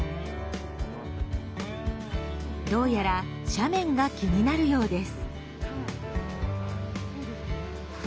どうやら斜面が気になるようです。